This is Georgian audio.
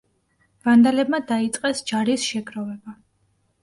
ვანდალებმა დაიწყეს ჯარის შეგროვება.